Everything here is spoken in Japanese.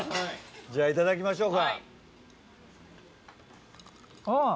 じゃあいただきましょうか。